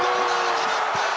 決まったー。